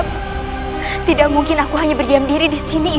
aku harus menentukan rakaulangsini